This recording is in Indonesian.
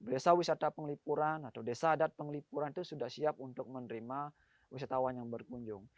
desa wisata penglipuran atau desa adat penglipuran itu sudah siap untuk menerima wisatawan yang berkunjung